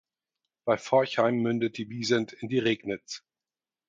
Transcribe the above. Bei Forchheim mündet die Wiesent in die Regnitz.